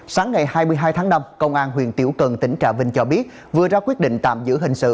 sáng ngày hai mươi hai tháng năm công an huyện tiểu cần tỉnh trà vinh cho biết vừa ra quyết định tạm giữ hình sự